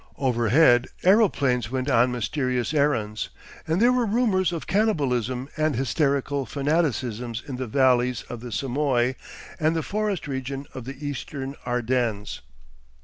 Overhead aeroplanes went on mysterious errands, and there were rumours of cannibalism and hysterical fanaticisms in the valleys of the Semoy and the forest region of the eastern Ardennes.